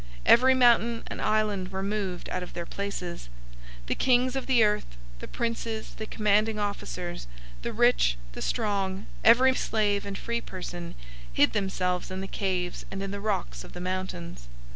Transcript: Every mountain and island were moved out of their places. 006:015 The kings of the earth, the princes, the commanding officers, the rich, the strong, and every slave and free person, hid themselves in the caves and in the rocks of the mountains.